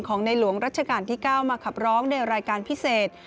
ในหลวงรัชกาลที่๙มาขับร้องในรายการพิเศษ